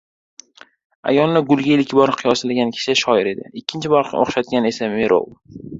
Ayolni gulga ilk bor qiyoslagan kishi shoir edi, ikkinchi bor o‘xshatgan esa – merov.